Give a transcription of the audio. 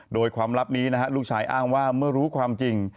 โดยความลับนี้นะฮะลูกชายอ้างว่าเมื่อรู้ความจริง